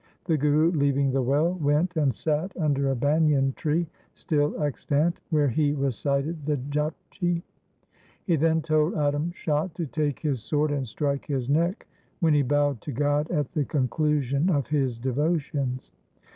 The Guru, leaving the well, went and sat under a banyan tree, still extant, where he recited the Japji. He then told Adam Shah to take his sword and strike his neck when he bowed to God at the conclusion of his devotions.